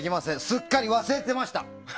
すっかり忘れてました。